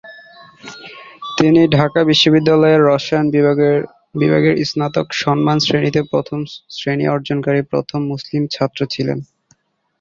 তিনি ঢাকা বিশ্ববিদ্যালয়ের রসায়ন বিভাগের স্নাতক সম্মান শ্রেণিতে প্রথম শ্রেণি অর্জনকারী প্রথম মুসলমান ছাত্র ছিলেন।